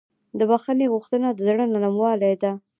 د بښنې غوښتنه د زړه نرموالی ده.